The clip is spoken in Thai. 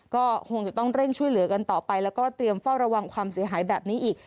ก็คงจะต้องเร่งช่วยเหลือกันต่อไปแล้วก็เตรียมเฝ้าระวังความเสียหายแบบนี้อีก